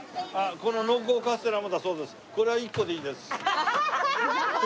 この濃厚カステラもだそうです。